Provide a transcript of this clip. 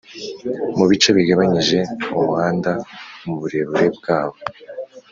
mu bice bigabanyije umuhanda mu burebure bwawo